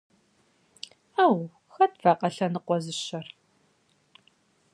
- Ӏэу, хэт вакъэ лъэныкъуэ зыщэр?